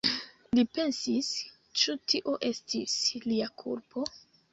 Li pensis: „Ĉu tio estis lia kulpo?“